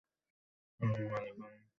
আর ওই মালিক হল মিসেস মালিকা।